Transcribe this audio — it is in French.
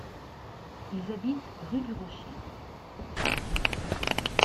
Ils habitent rue du Rocher.